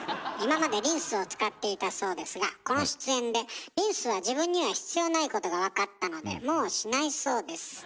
今までリンスを使っていたそうですがこの出演でリンスは自分には必要ないことが分かったのでもうしないそうです。